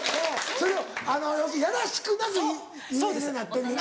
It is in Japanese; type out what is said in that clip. それを要するにいやらしくなく言えるようになってんねな。